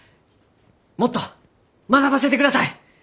もっと学ばせてください！